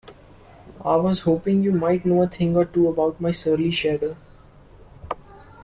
I was hoping you might know a thing or two about my surly shadow?